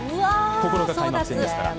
９日開幕戦ですから。